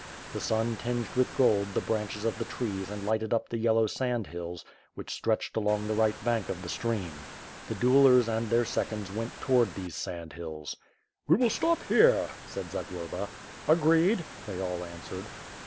The sun tinged with gold the branches of the trees and lighted up the yellow sand hills which stretched along the right bank of the stream. The duellers and their seconds went toward these sand hills. "We will stop here," said Zagloba. "Agreed," they all answered.